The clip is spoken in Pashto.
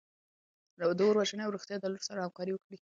د اور وژنې او روغتیایي ډلو سره همکاري وکړئ.